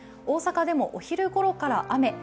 大阪でもお昼ごろから雨。